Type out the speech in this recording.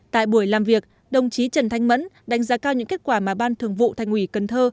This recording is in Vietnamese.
tại buổi làm việc đồng chí trần thanh mẫn đánh giá cao những kết quả mà ban thường vụ thành ủy cần thơ